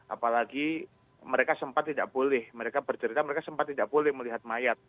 apalagi mereka sempat tidak boleh mereka bercerita mereka sempat tidak boleh melihat mayat